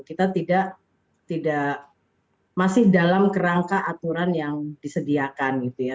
kita tidak masih dalam kerangka aturan yang disediakan gitu ya